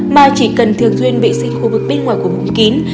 mà chỉ cần thường xuyên vệ sinh khu vực bên ngoài của vùng kín